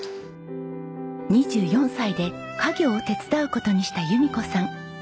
２４歳で家業を手伝う事にした弓子さん。